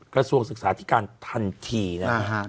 กระทรวงศึกษาธิการทันทีนะฮะ